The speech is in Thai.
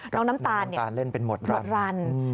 น้องน้ำตาลเล่นเป็นหมดรัน